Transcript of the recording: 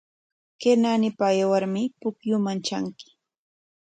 Kay naanipa aywarmi pukyuman tranki.